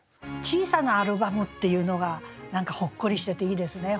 「小さなアルバム」っていうのが何かほっこりしてていいですね。